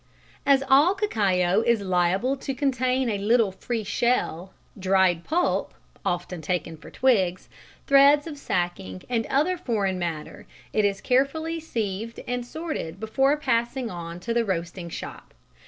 _ As all cacao is liable to contain a little free shell, dried pulp (often taken for twigs), threads of sacking and other foreign matter, it is very carefully sieved and sorted before passing on to the roasting shop.